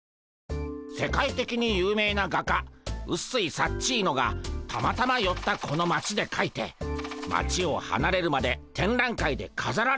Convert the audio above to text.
世界的に有名な画家ウッスイ・サッチーノがたまたまよったこの街でかいて街をはなれるまで展覧会でかざられるんでゴンス。